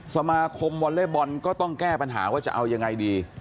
สมาคมวอเล็กบอลก็ต้องแก้ปัญหาว่าจะเอายังไงดี